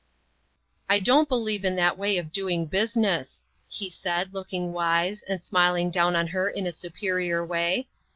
" I don't believe in that way of doing business," he said, looking wise, and smiling down on her in a superior way.